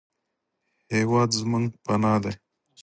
هېواد زموږ پناه دی